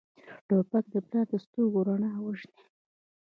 توپک د پلار د سترګو رڼا وژني.